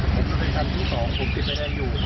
ผมก็ไปขั้นที่สองผมกินไฟแดงอยู่